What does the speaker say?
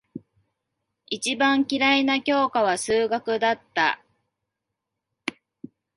一番嫌いな教科は数学だった。